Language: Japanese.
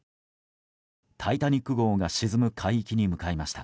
「タイタニック号」が沈む海域に向かいました。